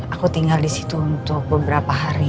aku tinggal disitu untuk beberapa hari